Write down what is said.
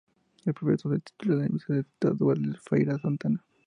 Es profesor Titular en la Universidad Estadual de Feira de Santana.